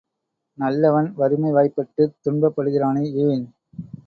நல்லவன் வறுமை வாய்ப்பட்டுத் துன்பப்படுகிறானே ஏன்!